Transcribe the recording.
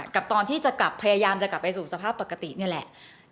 กับตอนที่จะกลับพยายามจะกลับไปสู่สภาพปกตินี่แหละ